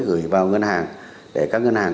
gửi vào ngân hàng để các ngân hàng